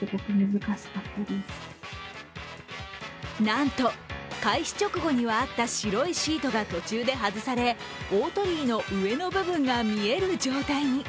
なんと、開始直後にはあった白いシートが途中で外され、大鳥居の上の部分が見える状態に。